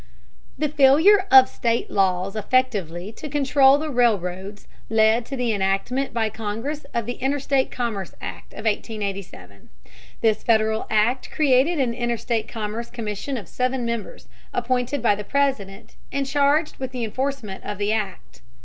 The failure of state laws effectively to control the railroads led to the enactment by Congress of the Interstate Commerce Act of 1887. This Federal act created an Interstate Commerce Commission of seven members, appointed by the President, and charged with the enforcement of the Act.